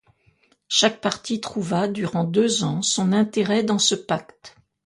Chaque partie trouva, durant deux ans, son intérêt dans ce pacte.